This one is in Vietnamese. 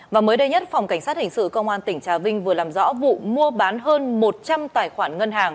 và mới đây nhất phòng cảnh sát hình sự công an tỉnh trà vinh vừa làm rõ vụ mua bán hơn một trăm linh tài khoản ngân hàng